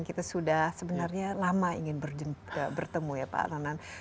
kita sudah sebenarnya lama ingin bertemu ya pak nanan